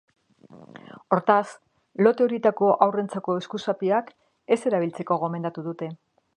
Hortaz, lote horietako haurtxoentzako eskuzapiak ez erabiltzeko gomendatu dute.